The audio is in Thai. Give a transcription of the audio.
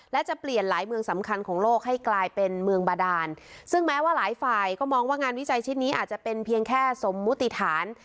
และจะเปลี่ยนหลายเมืองสำคัญของโลกให้กลายเป็นเมืองบาดานซึ่งแม้ว่าหลายฝ่ายก็มองว่างานวิจัยชิ้นนี้อาจจะเป็นเพียงแค่สมมุติฐาน